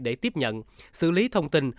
để tiếp nhận xử lý thông tin